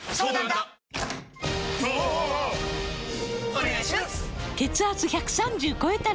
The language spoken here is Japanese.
お願いします！！！